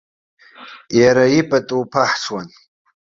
Иара ипату ԥаҳҽуан.